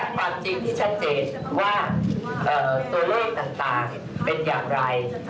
ความจริงที่ชัดเจนว่าตัวเลขต่างเป็นอย่างไร